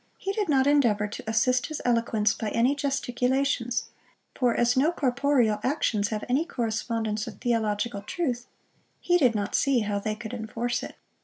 He did not endeavour to assist his eloquence by any gesticulations; for, as no corporeal actions have any correspondence with theological truth, he did not see how they could enforce it.